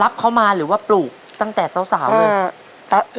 รับเขามาหรือว่าปลูกตั้งแต่สาวเลย